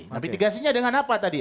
nah mitigasinya dengan apa tadi